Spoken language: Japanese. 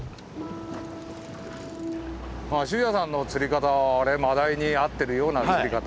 駿谷さんの釣り方はマダイに合ってるような釣り方。